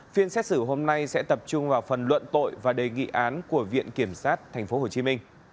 phiên xét xử hôm nay sẽ tập trung vào phần luận tội và đề nghị án của viện kiểm sát tp hcm